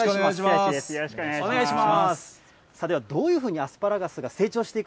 よろしくお願いします。